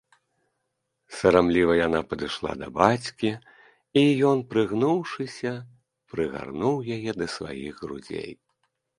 Сарамліва яна падышла да бацькі, і ён, прыгнуўшыся, прыгарнуў яе да сваіх грудзей.